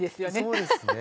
そうですね。